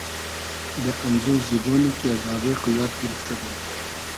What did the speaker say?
دۂ امزو زیبۉنی کی از آبې خو یاد گیرفتۂ دوم